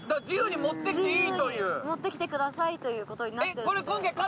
自由に持ってきてくださいということになってるんで。